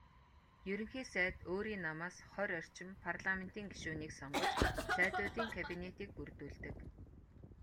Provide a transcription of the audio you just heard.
Ерөнхий сайд өөрийн намаас хорь орчим парламентын гишүүнийг сонгож "Сайдуудын кабинет"-ийг бүрдүүлдэг.